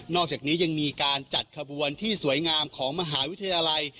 อกจากนี้ยังมีการจัดขบวนที่สวยงามของมหาวิทยาลัย